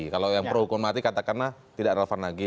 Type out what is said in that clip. kalau yang perhukuman mati katakanlah tidak relevan lagi